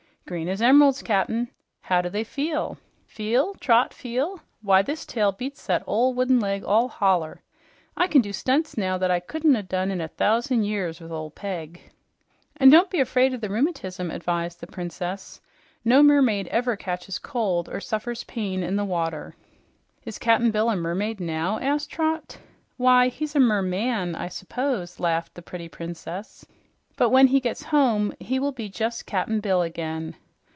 "Green as em'ralds, Cap'n. How do they feel?" "Feel, Trot, feel? Why, this tail beats that ol' wooden leg all holler! I kin do stunts now that I couldn't o' done in a thousand years with ol' peg." "And don't be afraid of the rheumatism," advised the Princess. "No mermaid ever catches cold or suffers pain in the water." "Is Cap'n Bill a mermaid now?" asked Trot. "Why, he's a merMAN, I suppose," laughed the pretty princess. "But when he gets home, he will be just Cap'n Bill again."